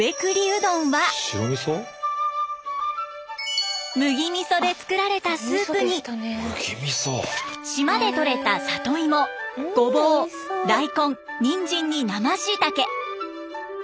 うどんは麦みそでつくられたスープに島で取れた里芋ごぼう大根にんじんに生しいたけ。